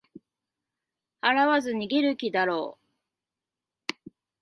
払わず逃げる気だろう